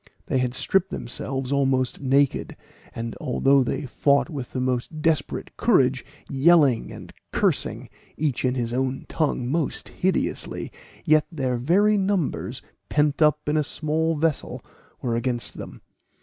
They had stripped themselves almost naked; and although they fought with the most desperate courage, yelling and cursing, each in his own tongue, most hideously, yet their very numbers, pent up in a small vessel, were against them.